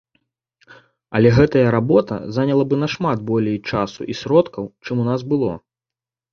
Але гэтая работа заняла бы нашмат болей часу і сродкаў, чым у нас было.